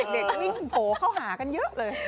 เด็กวิ่งโผล่เข้าหากันเยอะเลย